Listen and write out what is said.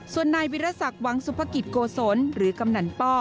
ส่วนนายวิรสักหวังสุภกิจโกศลหรือกำนันป้อ